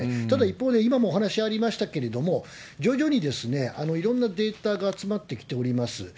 ただ、一方で今もお話ありましたけれども、徐々にいろんなデータが集まってきております。